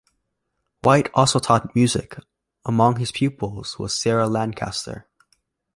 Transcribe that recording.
White also taught music; among his pupils was Sarah Lancaster.